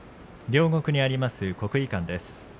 両国にあります国技館です。